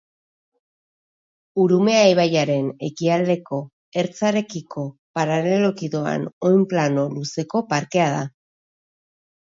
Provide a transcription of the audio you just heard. Urumea ibaiaren ekialdeko ertzarekiko paraleloki doan oinplano luzeko parkea da.